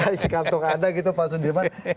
di kantong anda gitu pak sundirman